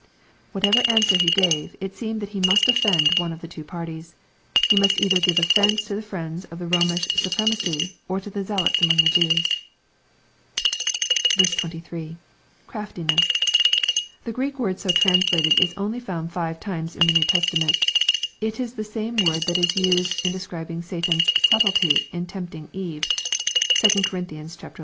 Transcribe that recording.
Whatever an swer He gave, it seemed that He must offend one of two parties. — ^He must either give offence to the friends of the Romish su premacy or to the zealots among the Jews. 23. — [Craftiness.'] The Greek word so translated is only found five times in the New Testament It is the same word that 13 used in describing Satan's subtlety" in tempting Eve. (2 Cor. xi. 3.) 24.